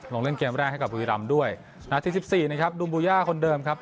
ลงเล่นเกมแรกให้กับบุรีรำด้วยนาทีสิบสี่นะครับดูมบูย่าคนเดิมครับ